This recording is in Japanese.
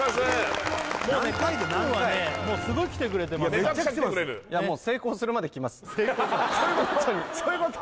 もうね賀来くんはねすごい来てくれてますからめっちゃ来てくれるそういうこと？